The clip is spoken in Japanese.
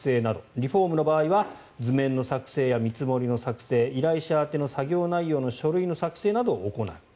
リフォームの場合は図面の作成や見積もりの作成依頼者宛ての作業内容の書類の作成などを行う。